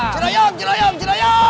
cura yam cura yam cura yam